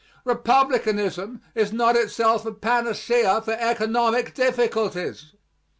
Republicanism is not itself a panacea for economic difficulties.